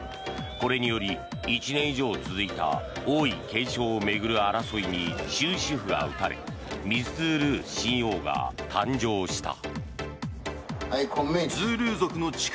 これにより１年以上続いた王位継承を巡る争いに終止符が打たれミスズールー新王が誕生した。